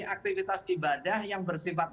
aktivitas ibadah yang bersifat